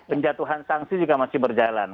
penjatuhan sanksi juga masih berjalan